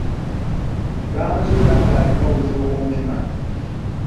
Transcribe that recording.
Baamuzuula ng'alina obuzibu ku mutima.